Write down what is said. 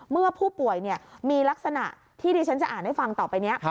เมื่อผู้ป่วยมีลักษณะที่ที่ฉันจะอ่านให้ฟังต่อไปนี้